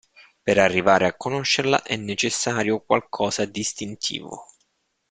Per arrivare a conoscerla è necessario qualcosa d’istintivo’.